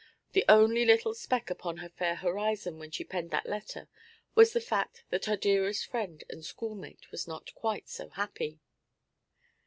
the only little speck upon her fair horizon when she penned that letter was the fact that her dearest friend and schoolmate was not quite so happy.